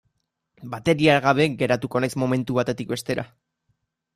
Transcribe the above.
Bateria gabe geratuko naiz momentu batetik bestera.